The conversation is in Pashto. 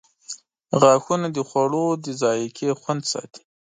• غاښونه د خوړو د ذایقې خوند ساتي.